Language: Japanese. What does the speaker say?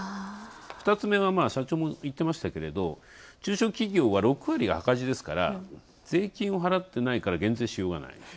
２つ目は先ほども言ってましたけど中小企業は６割が赤字ですから、税金を払ってないから減税しようがない。